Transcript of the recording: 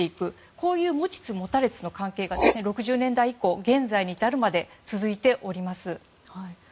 こういう持ちつ持たれつの関係が６０年代以降、現在に至るまで続いております。